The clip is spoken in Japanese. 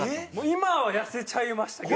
今は痩せちゃいましたけど。